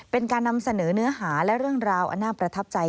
เป็นการนำเสนอเนื้อหาและเรื่องราวอันน่าประทับใจ